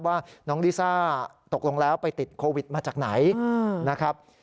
ว่าน้องลิซ่าตกลงแล้วไปติดโควิดมาจากไหนนะครับ